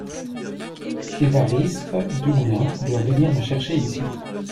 Évariste Dumoulin doit venir me chercher ici.